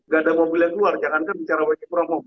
gak ada mobil yang keluar jangankan bicara booking from home